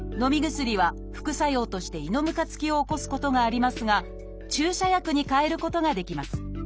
薬は副作用として「胃のむかつき」を起こすことがありますが注射薬にかえることができます。